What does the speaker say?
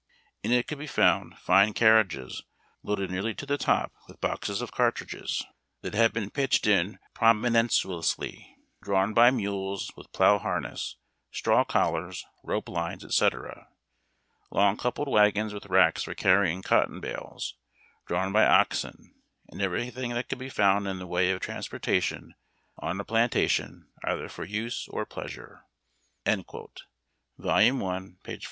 In it could be found fine carriages, loaded nearly to the top with boxes of cartridges ABMY WAGON TRAINS. 371 that had been pitched in promiscuously, drawn by mules with plough harness, sti aw collars, rope lines, etc. ; long coupled wagons with racks for carrying cotton bales, drawn by oxen, and everything that could be found in the way of transportation on a plantation, either for use or pleasure." [Vol. i., p. 488.